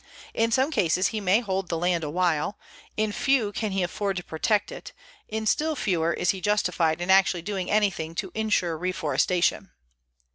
In some cases he may hold the land awhile, in few can he afford to protect it, in still fewer is he justified in actually doing anything to insure reforestation.